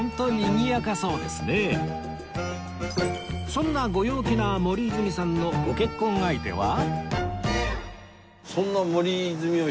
そんなご陽気な森泉さんのご結婚相手は？